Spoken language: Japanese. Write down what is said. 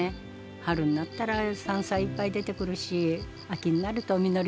春になったら山菜いっぱい出てくるし秋になると実りの秋来るし。